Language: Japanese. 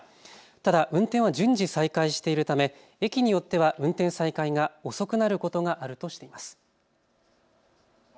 ただ運転は順次再開しているため駅によっては運転再開が遅くなることがあるとしています。